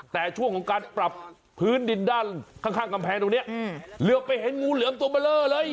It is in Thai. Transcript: แต่ช่วงของการปรับพื้นดินด้านข้างกำแพงตรงนี้เหลือไปเห็นงูเหลือมตัวเบลอเลย